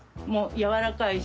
やわらかいし。